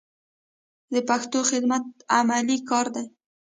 د پښتو خدمت عملي کار دی.